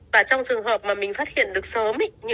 và trong trường hợp mà mình phát hiện được sớm